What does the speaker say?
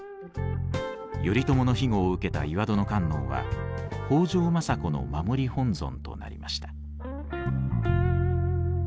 頼朝の庇護を受けた岩殿観音は北条政子の守り本尊となりました。